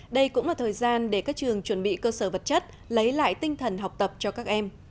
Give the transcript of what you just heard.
đây cũng là thời gian để các trường chuẩn bị cơ sở vật chất lấy lại tinh thần học tập cho các em